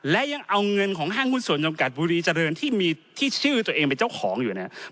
และยังเอาเงินของห้างหุ้นส่วนจำกัดบุรีเจริญที่มีที่ชื่อตัวเองเป็นเจ้าของอยู่นะครับ